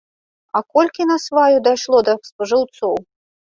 А колькі насваю дайшло да спажыўцоў!